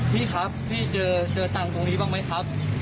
พี่ครับพี่เจอตังค์ตรงนี้บ้างไหมครับ